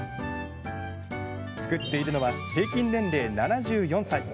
作っているのは平均年齢７４歳。